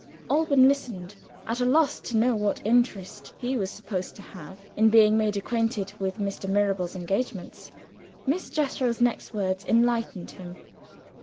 Alban listened at a loss to know what interest he was supposed to have in being made acquainted with Mr. Mirabel's engagements. Miss Jethro's next words enlightened him.